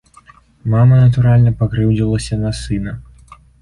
Мама, натуральна, пакрыўдзілася на сына.